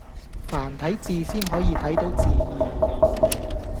繁體字先可以睇到字義